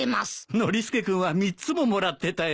ノリスケ君は３つももらってたよ。